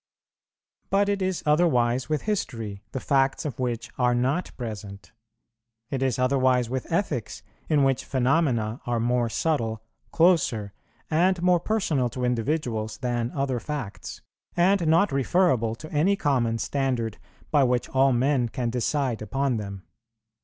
But it is otherwise with history, the facts of which are not present; it is otherwise with ethics, in which phenomena are more subtle, closer, and more personal to individuals than other facts, and not referable to any common standard by which all men can decide upon them.